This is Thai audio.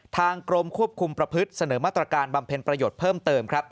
ทางกรมควบคุมประพฤติเสนอมาตรการบำเพ็ญประโยชน์เพิ่มเติมครับ